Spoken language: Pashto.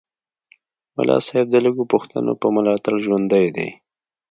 ملا صاحب د لږو پښتنو په ملاتړ ژوندی دی